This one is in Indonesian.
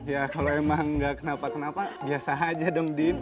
ya kalau emang nggak kenapa kenapa biasa aja dong din